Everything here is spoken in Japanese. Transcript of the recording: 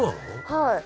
はい。